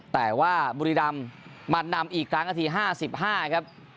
แต่ว่าบุรีรำมานำอีกครั้งนาที๕๕ครับ